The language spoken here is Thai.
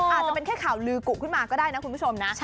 อาจจะเป็นแค่ข่าวลือกุขึ้นมาก็ได้นะคุณผู้ชมนะ